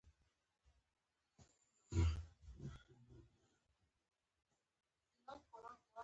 کېله بدن ته قوت ورکوي.